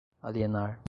alienar